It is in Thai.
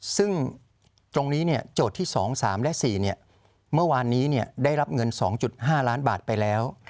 ซึ่งตรงนี้โจทย์ที่๒๓และ๔เมื่อวานนี้ได้รับเงิน๒๕ล้านบาทไปแล้ว